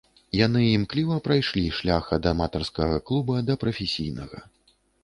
Яны імкліва прайшлі шлях ад аматарскага клуба да прафесійнага.